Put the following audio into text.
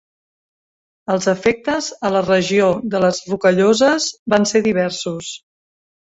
Els efectes a la regió de les Rocalloses van ser diversos.